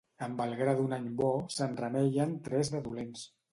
Amb el gra d'un any bo, se'n remeien tres de dolents.